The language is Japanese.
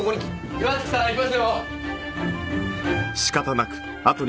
岩月さん行きますよ。